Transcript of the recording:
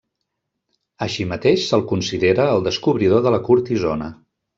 Així mateix se'l considera el descobridor de la cortisona.